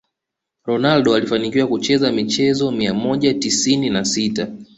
Ronaldo alifanikiwa kucheza michezo mia moja tisini na sita